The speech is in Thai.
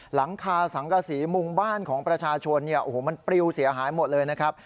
หลังคาสังกสีมุงบ้านของประชาชนมันปลิวเสียหายหมดเลยนะครับ